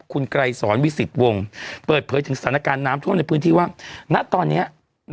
คุณไกรสอนวิสิตวงศ์เปิดเผยถึงสถานการณ์น้ำท่วมในพื้นที่ว่าณตอนนี้